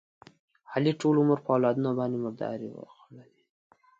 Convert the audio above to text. علي ټول عمر په اولادونو باندې مردارې وخوړلې.